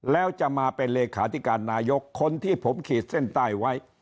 แล้วจะมาเป็นเลขาธิการนายกคนที่ผมขีดเส้นใต้ไว้